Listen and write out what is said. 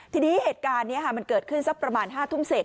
ทีนี้เหตุการณ์นี้มันเกิดขึ้นสักประมาณ๕ทุ่มเศษ